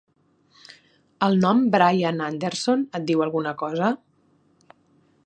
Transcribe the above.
El nom Brian Anderson et diu alguna cosa?